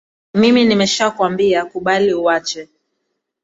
Mimi nimeshakwambia kubali uwache